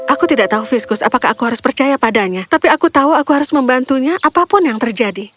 aku tidak tahu viskus apakah aku harus percaya padanya tapi aku tahu aku harus membantunya apapun yang terjadi